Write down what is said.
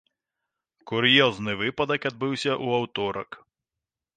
Кур'ёзны выпадак адбыўся ў аўторак.